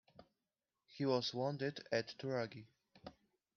He was wounded at Tulagi.